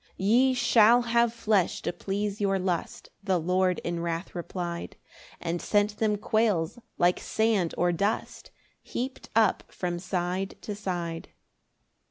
5 "Ye shall have flesh to please your lust;" The Lord in wrath reply'd, And sent them quails like sand or dust, Heap'd up from side to side.